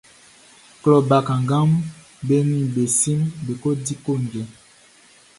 Klɔ bakannganʼm be nin be siʼm be kɔ di ko njɛn.